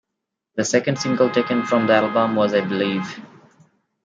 The second single taken from the album was "I Believe".